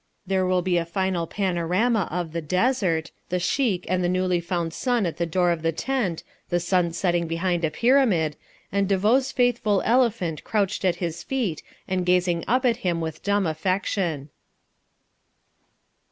There will be a final panorama of the desert, the Sheik and his newly found son at the door of the tent, the sun setting behind a pyramid, and De Vaux's faithful elephant crouched at his feet and gazing up at him with dumb affection.